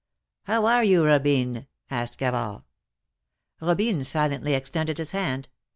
How are you, Robine asked Gavard. Robine silently extended his hand.